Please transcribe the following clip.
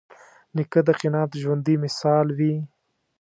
نیکه د قناعت ژوندي مثال وي.